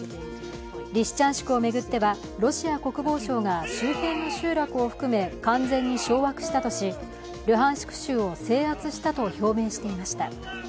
リシチャンシクを巡っては、ロシア国防省が周辺の集落を含め完全に掌握したとし、ルハンシク州を制圧したと表明していました。